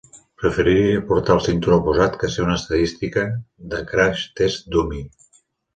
Preferiria portar el cinturó posat que ser una estadística de "crash test dummy".